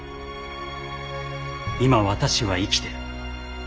今私は生きてる。